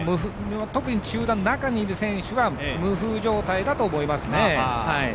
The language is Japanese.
特に集団の中にいる選手は無風状態だと思いますね。